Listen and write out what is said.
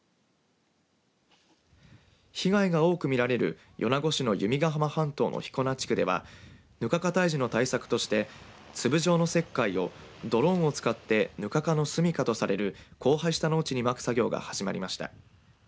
被害が多く見られる米子市の弓ヶ浜半島の彦名地区ではヌカカ退治の対策として粒状の石灰をドローンを使ってヌカカの住みかとされる荒廃した農地にまく作業が始まりました。